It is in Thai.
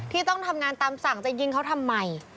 ต้องทำงานตามสั่งจะยิงเขาทำไม